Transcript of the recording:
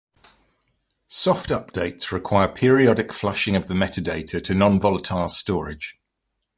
Soft updates require periodic flushing of the metadata to nonvolatile storage.